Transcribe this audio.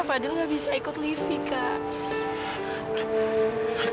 apa dulu gak bisa ikut livi kak